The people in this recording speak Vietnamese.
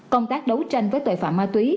công tác đấu tranh với tội phạm ma túy